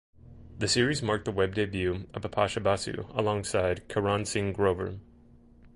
The series mark the web debut of Bipasha Basu alongside Karan Singh Grover.